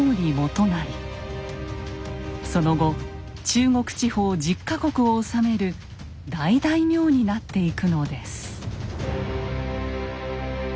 その後中国地方１０か国を治める大大名になっていくのです。